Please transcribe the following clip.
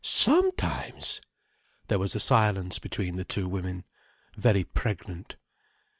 sometimes!" There was a silence between the two women, very pregnant.